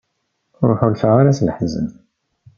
Ur ḥulfaɣ ara s leḥzen.